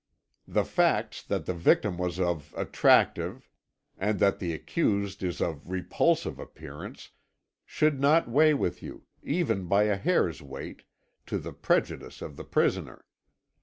The facts that the victim was of attractive, and that the accused is of repulsive appearance, should not weigh with you, even by a hair's weight, to the prejudice of the prisoner.